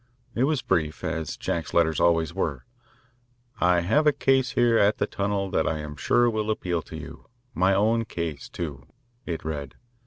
It was brief, as Jack's letters always were. "I have a case here at the tunnel that I am sure will appeal to you, my own case, too," it read.